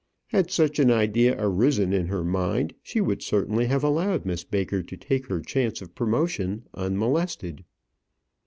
Had such an idea arisen in her mind, she would certainly have allowed Miss Baker to take her chance of promotion unmolested.